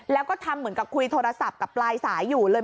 แล้วก็ทำเหมือนกับคุยโทรศัพท์กับปลายสายอยู่เลย